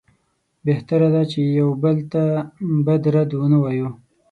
بهتره ده چې یو بل ته بد رد ونه وایو.